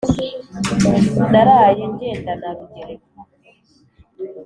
naraye ngenda na rugereka